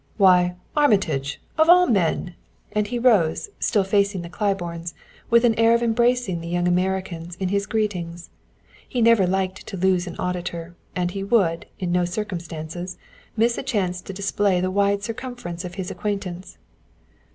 "Why, Armitage, of all men!" and he rose, still facing the Claibornes, with an air of embracing the young Americans in his greetings. He never liked to lose an auditor; and he would, in no circumstances, miss a chance to display the wide circumference of his acquaintance.